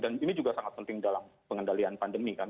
dan ini juga sangat penting dalam pengendalian pandemi kan